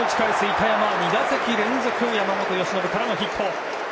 板山、２打席連続山本由伸からのヒット。